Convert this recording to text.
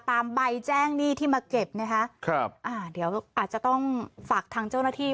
ตามใบแจ้งหนี้ที่มาเก็บนะคะครับอ่าเดี๋ยวอาจจะต้องฝากทางเจ้าหน้าที่